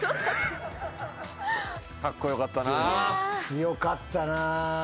強かったな。